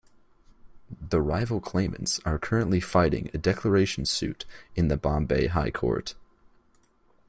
The rival claimants are currently fighting a declaration suit in the Bombay High Court.